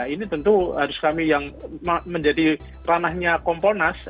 ini tentu harus kami yang menjadi ranahnya kompolnas